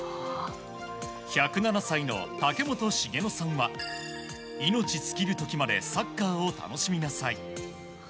１０７歳の竹本繁野さんは命尽きる時までサッカーを楽しみなさい。